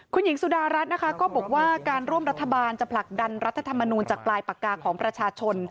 คุณหญิงสุดารัฐนะคะก็บอกว่าการร่วมรัฐบาลจะผลักดันรัฐธรรมนูลจากปลายปากกาของประชาชน